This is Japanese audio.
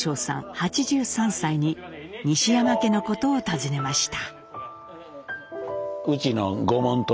８３歳に西山家のことを尋ねました。